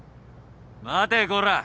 ・待てこら。